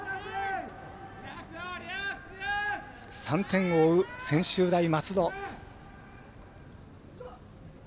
３点を追う、専修大松戸。